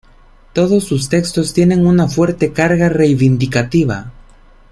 Todos sus textos tienen una fuerte carga reivindicativa.